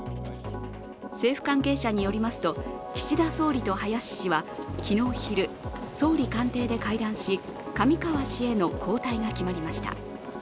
政府関係者によりますと、岸田総理と林氏は昨日昼、総理官邸で会談し、上川氏への交代が決まりました。